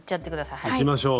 いきましょう！